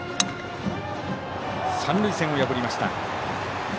三塁線を破りました。